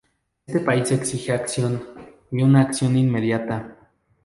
Este país exige acción, y una acción inmediata.